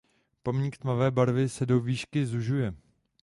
Pomník tmavé barvy se do výšky zužuje.